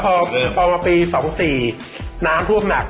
พอมาปี๒๔น้ำท่วมหนัก